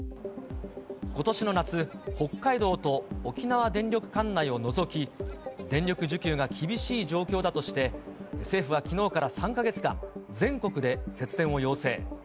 ことしの夏、北海道と沖縄電力管内を除き、電力需給が厳しい状況だとして、政府はきのうから３か月間、全国で節電を要請。